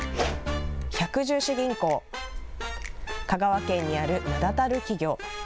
百十四銀行、香川県にある名だたる企業。